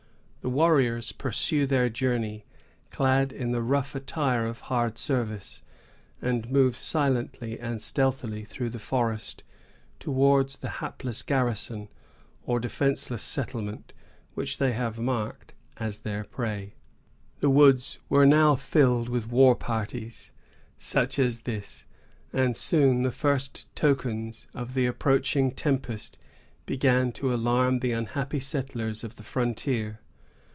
The warriors pursue their journey, clad in the rough attire of hard service, and move silently and stealthily through the forest towards the hapless garrison, or defenceless settlement, which they have marked as their prey. The woods were now filled with war parties such as this, and soon the first tokens of the approaching tempest began to alarm the unhappy settlers of the frontier.